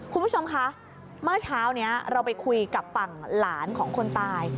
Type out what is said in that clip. คุณผู้ชมคะเมื่อเช้านี้เราไปคุยกับฝั่งหลานของคนตาย